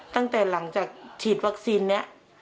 ตั้งแต่หลังจากฉีดวัคซีนนี้